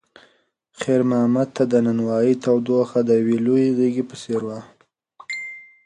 خیر محمد ته د نانوایۍ تودوخه د یوې لویې غېږې په څېر وه.